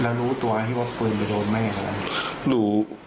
แล้วรู้ตัวให้ว่าปืนไปโดนแม่อะไร